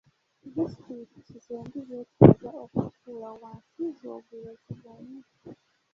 Disitulikiti zombi zeetaaga okutuula wansi zoogerezeganye.